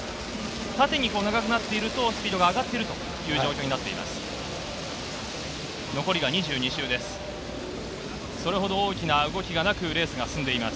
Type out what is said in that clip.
縦に長くなってるとスピードが上がっているという状況になっています。